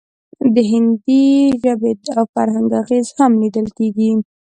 د هندي ژبې او فرهنګ اغیز هم لیدل کیږي